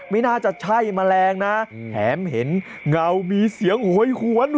ไม่น่าจะใช่แมลงนะแถมเห็นเงามีเสียงโหยหวน